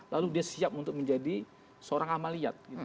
lalu dia siap untuk menjadi seorang amaliyat